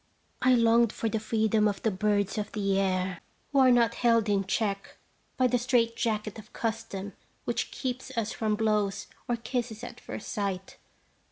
I longed for the freedom of the birds of the air, who are not held in check by the straight jacket of custom which keeps us from blows or kisses at first sight.